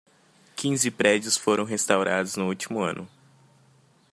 Quinze prédios foram restauradas no último ano